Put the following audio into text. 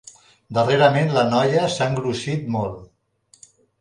Darrerament la noia s'ha engrossit molt.